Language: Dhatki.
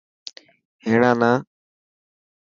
هيڻا نه.